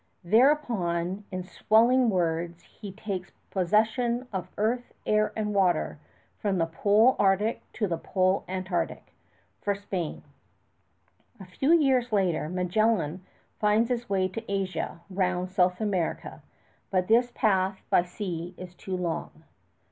Thereupon, in swelling words, he takes possession of "earth, air, and water from the Pole Arctic to the Pole Antarctic" for Spain. A few years later Magellan finds his way to Asia round South America; but this path by sea is too long.